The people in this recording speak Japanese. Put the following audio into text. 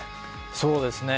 そうですね。